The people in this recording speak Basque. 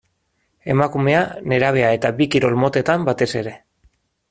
Emakumea, nerabea eta bi kirol motetan batez ere.